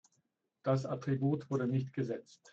Das Attribut wurde nicht gesetzt.